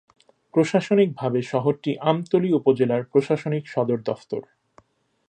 প্রশাসনিকভাবে শহরটি আমতলী উপজেলার প্রশাসনিক সদর দফতর।